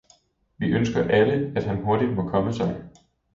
Vi ønsker alle, at han hurtigt må komme sig.